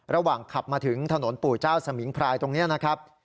ระหว่างขับมาถึงถนนปู่เจ้าสมิงพรายตรงนี้นะครับ